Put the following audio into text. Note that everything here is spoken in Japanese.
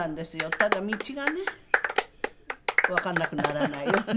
ただ道がねわからなくならないように。